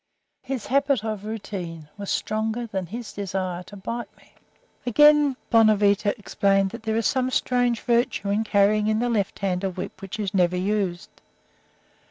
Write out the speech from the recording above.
His habit of routine was stronger than his desire to bite me." Again, Bonavita explained that there is some strange virtue in carrying in the left hand a whip which is never used.